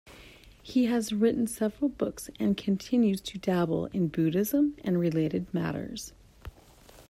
He has written several books and continues to "dabble in Buddhism and related matters".